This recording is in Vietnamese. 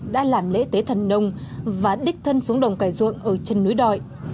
đã làm lễ tế thần nông và đích thân xuống đồng cải ruộng ở chân núi đội